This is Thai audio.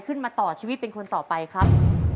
ขึ้นมาต่อชีวิตเป็นคนต่อไปครับ